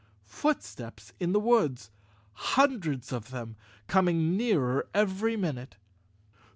Footsteps in the woods! Hun¬ dreds of them—coming nearer every minute!